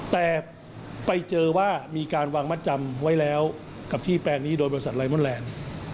แต่ไปเจอว่ามีการวางมัดจำไว้แล้วกับที่แปรนี้โดยบริษัทไลมอนแลนด์